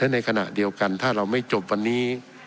ในขณะเดียวกันถ้าเราไม่จบวันนี้